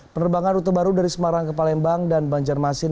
penerbangan rute baru dari semarang ke palembang dan banjarmasin